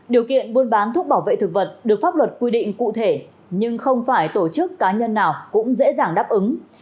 điều kiện buôn bán thuốc bảo vệ thực vật được pháp luật quy định cụ thể nhưng không phải tổ chức cá nhân nào cũng dễ dàng đáp ứng